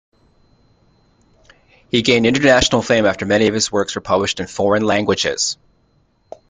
He gained international fame after many of his works were published in foreign languages.